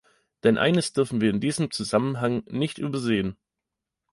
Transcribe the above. Denn eines dürfen wir in diesem Zusammenhang nicht übersehen.